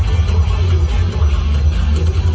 ต้องร้องร้ายกันกลับขอบแข็ง